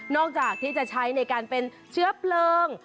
จากที่จะใช้ในการเป็นเชื้อเพลิง